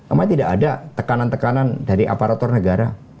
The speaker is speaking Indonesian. emang tidak ada tekanan tekanan dari aparatur negara